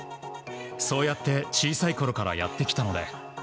そうやって小さいころからやってきたので。